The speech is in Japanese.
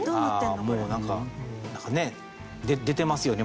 なんかね出てますよね。